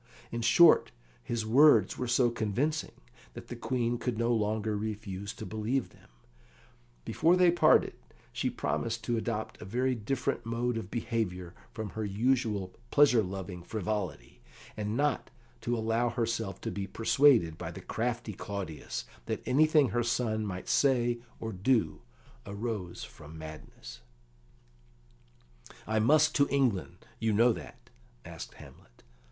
In short, his words were so convincing that the Queen could no longer refuse to believe them. Before they parted, she promised to adopt a very different mode of behaviour from her usual pleasure loving frivolity, and not to allow herself to be persuaded by the crafty Claudius that anything her son might say or do arose from madness. [Illustration: "Do you not come your tardy son to chide?"] "I must to England; you know that?" asked Hamlet.